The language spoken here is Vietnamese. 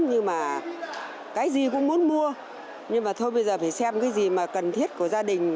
nhưng mà cái gì cũng muốn mua nhưng mà thôi bây giờ phải xem cái gì mà cần thiết của gia đình